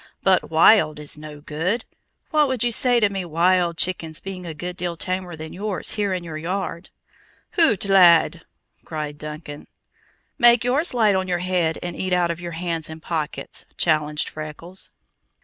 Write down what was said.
But 'wild' is no good. What would you say to me 'wild chickens' being a good deal tamer than yours here in your yard?" "Hoot, lad!" cried Duncan. "Make yours light on your head and eat out of your hands and pockets," challenged Freckles.